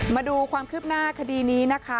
มาดูความคืบหน้าคดีนี้นะคะ